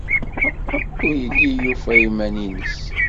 Ur yelli yufa iman-nnes.